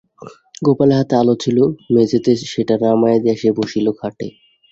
গোপালের হাতে আলো ছিল, মেঝেতে সেটা নামাইয়া দিয়া সে বসিল খাটে।